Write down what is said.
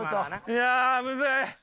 いやあむずい！